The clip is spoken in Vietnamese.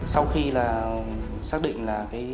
sau khi là xác định là